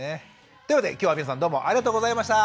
というわけで今日は皆さんどうもありがとうございました！